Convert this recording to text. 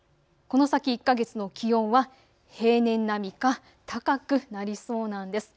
この先１か月の気温は平年並みか高くなりそうなんです。